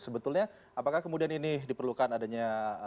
sebetulnya apakah kemudian ini diperlukan adanya